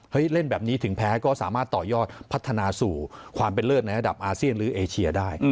เล่นแบบนี้ถึงแพ้ก็สามารถต่อยอดพัฒนาสู่ความเป็นเลิศในระดับอาเซียนหรือเอเชียได้